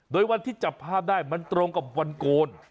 โดยวันที่จับภาพได้มันตรงกับวันโกน